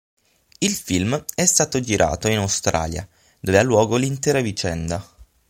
Il film è stato girato in Australia, dove ha luogo l'intera vicenda.